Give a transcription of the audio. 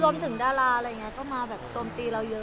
รวมถึงดาราอะไรอย่างงี้ก็มาจมตีเราเยอะ